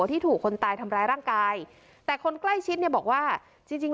ที่ถูกคนตายทำร้ายร่างกายแต่คนใกล้ชิดเนี่ยบอกว่าจริงจริง